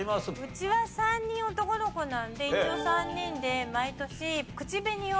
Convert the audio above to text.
うちは３人男の子なので一応３人で毎年。